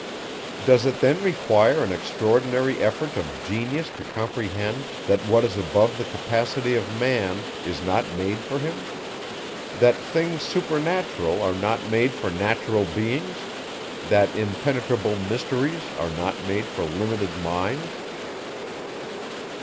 Does it then require an extraordinary effort of genius to comprehend, that what is above the capacity of man, is not made for him; that things supernatural are not made for natural beings; that impenetrable mysteries are not made for limited minds?